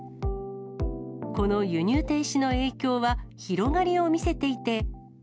この輸入停止の影響は広がりを見せていて。